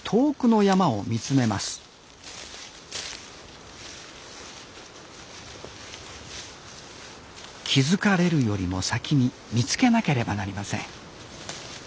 気付かれるよりも先に見つけなければなりません